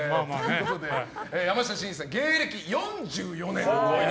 山下真司さん、芸歴４４年。